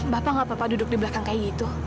bapak gak apa apa duduk di belakang kayak gitu